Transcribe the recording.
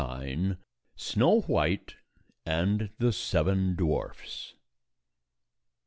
230 SNOW WHITE AND THE SEVEN DWARFS.